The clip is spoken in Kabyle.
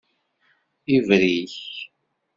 Ibrik.